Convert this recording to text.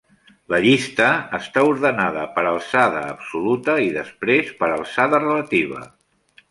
La llista està ordenada per alçada absoluta i després per alçada relativa.